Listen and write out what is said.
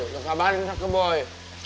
kalau kita dibaikan sama raya